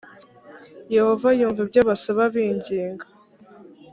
yehova yumva ibyo basaba binginga